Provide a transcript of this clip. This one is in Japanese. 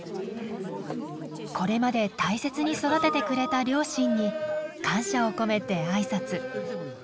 これまで大切に育ててくれた両親に感謝を込めて挨拶。